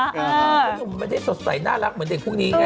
มันไม่ได้สดใสน่ารักเหมือนเด็กพวกนี้ไง